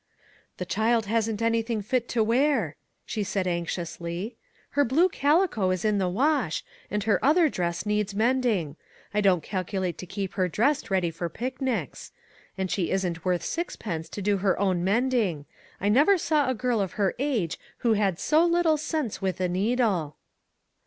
" The child hasn't anything fit to wear," she said anxiously; " her blue calico is in the wash, and her other dress needs mending. I don't calculate to keep her dressed ready for picnics ; and she isn't worth sixpence to do her own mending: I never saw a girl of her age who had so little sense with a needle."